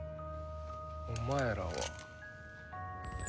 お前らは。